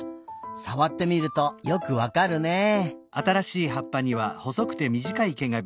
さわってみるとよくわかるねえ。